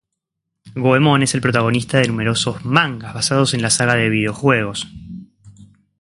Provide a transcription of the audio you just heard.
Goemon es el protagonista de numerosos mangas basados en la saga de videojuegos.